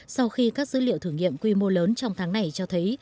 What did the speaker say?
sau khi các dữ liệu thử nghiệm quy mô lớn trong tháng này cho thấy